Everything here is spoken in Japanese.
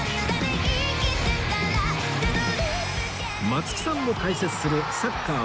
松木さんも解説するサッカー